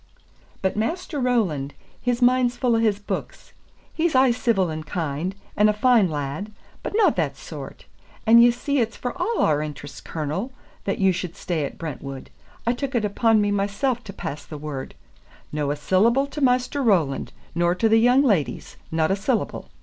But Maister Roland, his mind's fu' of his books. He's aye civil and kind, and a fine lad; but no that sort. And ye see it's for a' our interest, Cornel, that you should stay at Brentwood. I took it upon me mysel to pass the word, 'No a syllable to Maister Roland, nor to the young leddies no a syllable.